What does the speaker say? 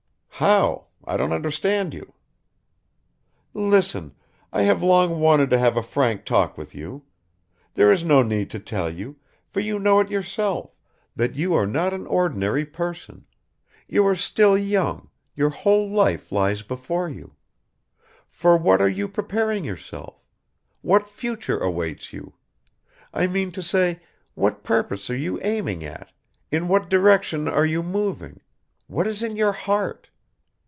"How? I don't understand you." "Listen, I have long wanted to have a frank talk with you. There is no need to tell you for you know it yourself that you are not an ordinary person; you are still young your whole life lies before you. For what are you preparing yourself? What future awaits you? I mean to say, what purpose are you aiming at, in what direction are you moving, what is in your heart?